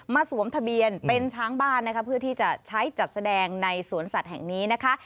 สวมทะเบียนเป็นช้างบ้านนะคะเพื่อที่จะใช้จัดแสดงในสวนสัตว์แห่งนี้นะคะ